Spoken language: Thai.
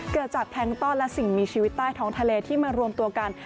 เกิดจากแพลงต้อนและสิ่งมีชีวิตใต้ท้องทะเลที่มารวมตัวกัน